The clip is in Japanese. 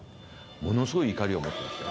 ものすごい怒りを持ってましたよ